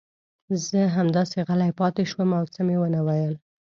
زه همداسې غلی پاتې شوم او څه مې ونه ویل.